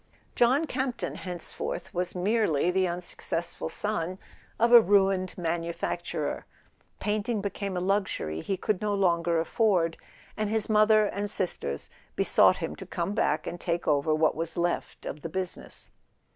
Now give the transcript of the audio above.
John Campton, henceforth, was merely the unsuc [ 43 ] A SON AT THE FRONT cessful son of a ruined manufacturer; painting became a luxury he could no longer afford, and his mother and sisters besought him to come back and take over what was left of the business.